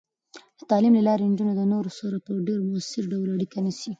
د تعلیم له لارې، نجونې د نورو سره په ډیر مؤثر ډول اړیکه نیسي.